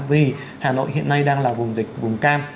vì hà nội hiện nay đang là vùng dịch vùng cam